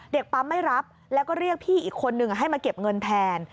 ปั๊มไม่รับแล้วก็เรียกพี่อีกคนนึงให้มาเก็บเงินแทน